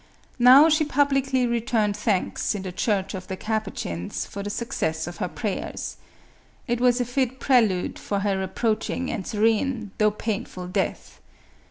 Now she publicly returned thanks, in the church of the Capuchins, for the success of her prayers. It was a fit prelude for her approaching and serene, though painful death.